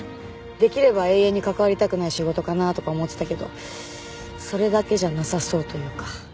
できれば永遠に関わりたくない仕事かなとか思ってたけどそれだけじゃなさそうというか。